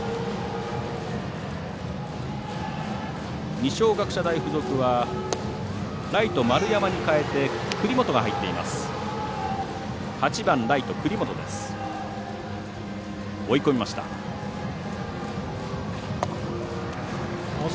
二松学舎大付属はライト、丸山に代えて栗本が入っています。